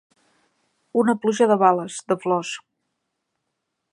Una pluja de bales, de flors.